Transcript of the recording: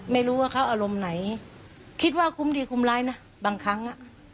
ไม่รู้ว่าเขาอารมณ์ไหนคิดว่าคุ้มดีคุ้มร้ายนะบางครั้งอ่ะ